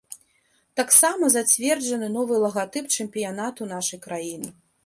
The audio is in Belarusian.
Таксама зацверджаны новы лагатып чэмпіянату нашай краіны.